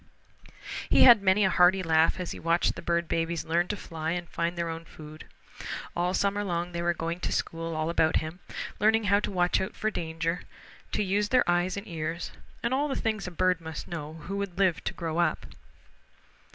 He had many a hearty laugh as he watched the bird babies learn to fly and to find their own food. All summer long they were going to school all about him, learning how to watch out for danger, to use their eyes and ears, and all the things a bird must know who would live to grow up.